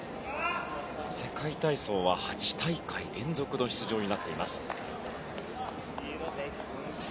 世界体操は８大会連続の出場になっています。